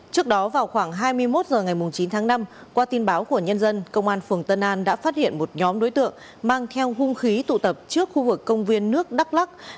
trước đó vào khoảng hai mươi một h ngày chín tháng năm qua tin báo của nhân dân công an phường tân an đã phát hiện một nhóm đối tượng mang theo hung khí tụ tập trước khu vực công viên nước đắk lắc